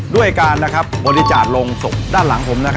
ด้วยการบริจาคโรงศพด้านหลังผม